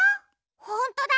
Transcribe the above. ほんとだ！